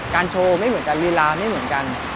โชว์ไม่เหมือนกันลีลาไม่เหมือนกัน